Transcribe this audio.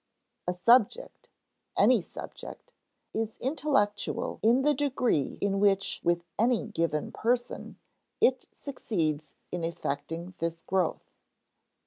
A subject any subject is intellectual in the degree in which with any given person it succeeds in effecting this growth.